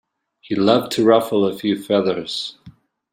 He loved to ruffle a few feathers.